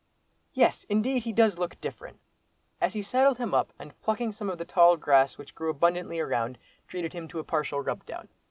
"Yes, indeed, he does look different," as he saddled him up, and, plucking some of the tall grass which grew abundantly around, treated him to a partial rub down.